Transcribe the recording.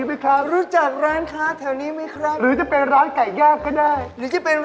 วันแรกเมื่อสารภาพ